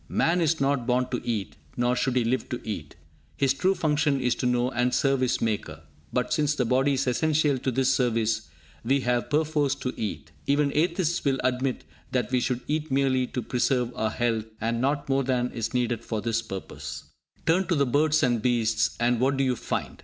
Man is not born to eat, nor should he live to eat. His true function is to know and serve his Maker; but, since the body is essential to this service, we have perforce to eat. Even atheists will admit that we should eat merely to preserve our health, and not more than is needed for this purpose. Turn to the birds and beasts, and what do you find?